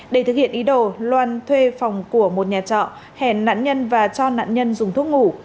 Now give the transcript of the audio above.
để thực hiện ý đồ loan thuê phòng của một nhà trọ hẹn nạn nhân và cho nạn nhân dùng thuốc ngủ